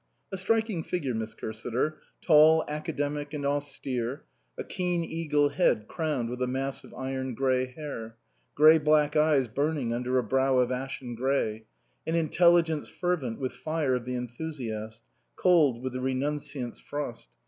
A striking figure, Miss Cursiter. Tall, aca demic and austere ; a keen eagle head crowned with a mass of iron grey hair ; grey black eyes burning under a brow of ashen grey ; an in telligence fervent with fire of the enthusiast, cold with the renunciant's frost.